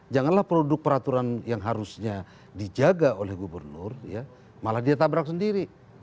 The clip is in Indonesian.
janganlah produk peraturan yang harusnya dijaga oleh gubernur malah dia tabrak sendiri